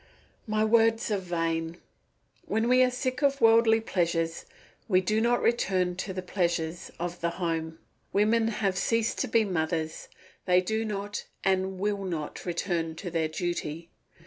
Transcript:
My words are vain! When we are sick of worldly pleasures we do not return to the pleasures of the home. Women have ceased to be mothers, they do not and will not return to their duty.